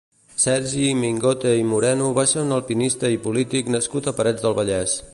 Sergi Mingote i Moreno va ser un alpinista i polític nascut a Parets del Vallès.